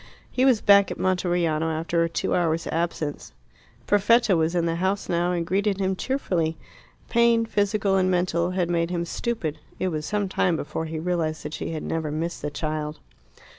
He was back at Monteriano after a two hours' absence. Perfetta was in the house now, and greeted him cheerfully. Pain, physical and mental, had made him stupid. It was some time before he realized that she had never missed the child.